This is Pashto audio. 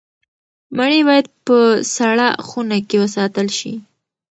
مڼې باید په سړه خونه کې وساتل شي.